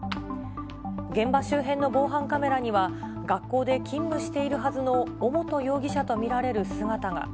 現場周辺の防犯カメラには、学校で勤務しているはずの尾本容疑者と見られる姿が。